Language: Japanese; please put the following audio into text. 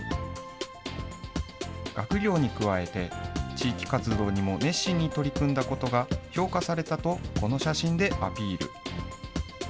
学業に加えて、地域活動にも熱心に取り組んだことが評価されたと、この写真でアピール。